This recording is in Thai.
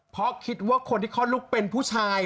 เพราะคิดว่าคนที่คลอดลูกเป็นผู้ชาย